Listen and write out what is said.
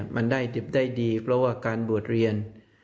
มันได้ดีเพราะว่าการบวชเรียน